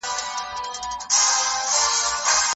نه یې چا مړی اوچت کړ له ښاریانو